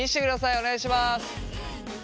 お願いします。